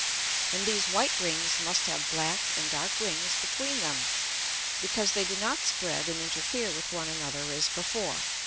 And these white Rings must have black and dark Rings between them, because they do not spread and interfere with one another, as before.